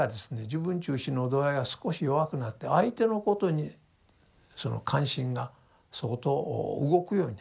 自分中心の度合いが少し弱くなって相手のことにその関心が相当動くようになる。